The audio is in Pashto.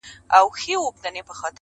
مږندي مي ښایستې یوه تر بلي ګړندۍ دي -